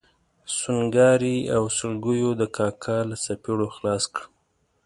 سونګاري او سلګیو د کاکا له څپېړو خلاص کړم.